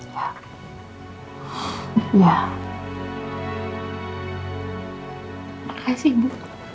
terima kasih bu